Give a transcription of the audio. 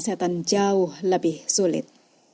setan jauh lebih sulit